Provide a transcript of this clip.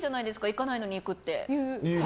行かないのに行くって。